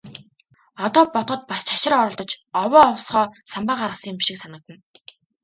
Одоо бодоход бас ч хашир оролдож, овоо овсгоо самбаа гаргасан шиг санагдана.